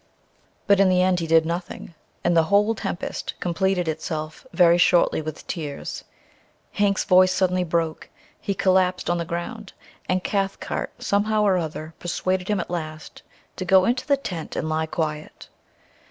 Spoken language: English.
But in the end he did nothing, and the whole tempest completed itself very shortly with tears. Hank's voice suddenly broke, he collapsed on the ground, and Cathcart somehow or other persuaded him at last to go into the tent and lie quiet.